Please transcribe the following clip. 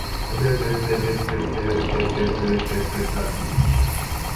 The Munich conference elected Muhammad Isa Jassur as the leader of the party.